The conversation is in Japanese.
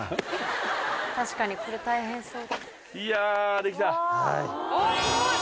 確かにこれ大変そう。